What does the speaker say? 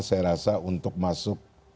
saya rasa untuk masuk